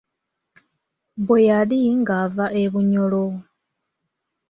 Bwe yali ng’ava e Bunyoro.